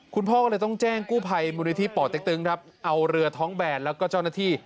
คุณพ่อก็เลยต้องแจ้งกู้ภัยมูลนิธิป่อเต็กตึงครับเอาเรือท้องแบนแล้วก็เจ้าหน้าที่